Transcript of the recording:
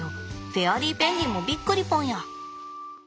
フェアリーペンギンもびっくりぽんや。